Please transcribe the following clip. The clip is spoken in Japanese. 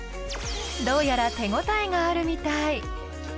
どうやら手応えがあるみたい。